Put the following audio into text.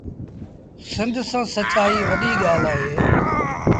سند سآݩ سچآئيٚ وڏيٚ ڳآل اهي۔